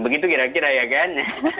begitu kira kira ya kan